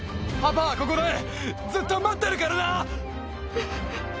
パパはここでずっと待ってるからな！